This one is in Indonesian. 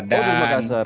oh dari makassar